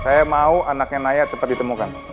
saya mau anaknya naya cepat ditemukan